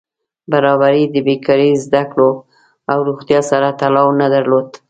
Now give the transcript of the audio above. برابري د بېکاري، زده کړو او روغتیا سره تړاو نه درلود.